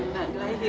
inan lahir wak